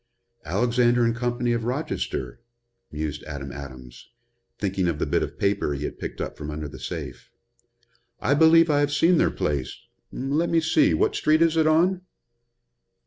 "Alexander & Company, of Rochester," mused Adam Adams, thinking of the bit of paper he had picked up from under the safe. "I believe I have seen their place. Let me see, what street is it on?"